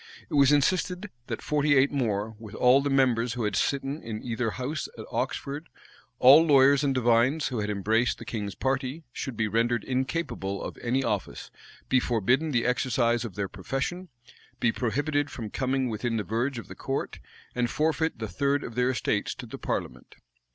It was insisted that forty eight more, with all the members who had sitten in either house at Oxford, all lawyers and divines who had embraced the king's party, should be rendered incapable of any office, be forbidden the exercise of their profession, be prohibited from coming within the verge of the court, and forfeit the third of their estates to the parliament.